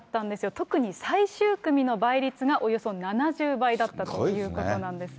特に最終組の倍率がおよそ７０倍だったということなんですよ。